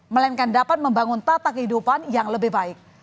melainkan dapat membangun tata kehidupan yang lebih baik